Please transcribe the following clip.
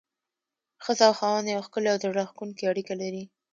ښځه او خاوند يوه ښکلي او زړه راښکونکي اړيکه لري.